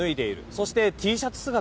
そして、Ｔシャツ姿。